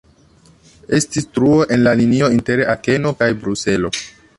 Estis truo en la linio inter Akeno kaj Bruselo.